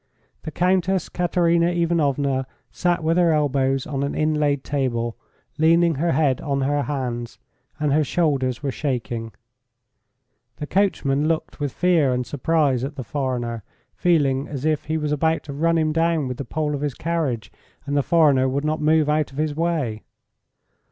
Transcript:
The Countess Katerina Ivanovna sat with her elbows on an inlaid table, leaning her head on her hands, and her shoulders were shaking. The coachman looked with fear and surprise at the foreigner, feeling as if he was about to run him down with the pole of his carriage and the foreigner would not move out of his way.